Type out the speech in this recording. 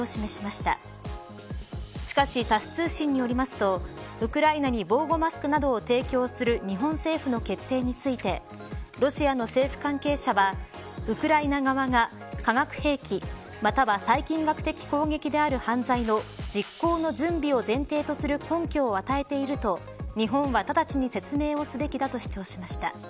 しかし、タス通信によりますとウクライナに防護マスクなどを提供する日本政府の決定についてロシアの政府関係者はウクライナ側が化学兵器または細菌学的攻撃である犯罪の実行の準備を前提とする根拠を与えていると日本は直ちに説明をすべきだと主張しました。